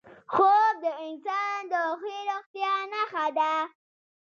خوب د انسان د ښې روغتیا نښه ده